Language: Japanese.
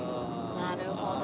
なるほど。